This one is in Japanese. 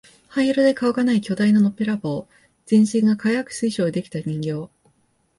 灰色で顔がない巨大なのっぺらぼう、全身が輝く水晶で出来た人形、